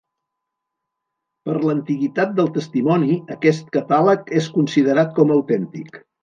Per l'antiguitat del testimoni, aquest catàleg és considerat com autèntic.